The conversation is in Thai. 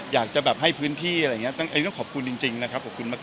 อยากจะแบบให้พื้นที่อะไรอย่างนี้ต้องขอบคุณจริงนะครับขอบคุณมาก